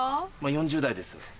４０代です。